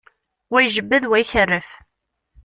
Wa ijebbed, wa ikerref.